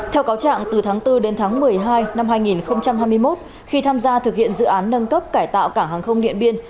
theo cáo trạng từ tháng bốn đến tháng một mươi hai năm hai nghìn hai mươi một khi tham gia thực hiện dự án nâng cấp cải tạo cảng hàng không điện biên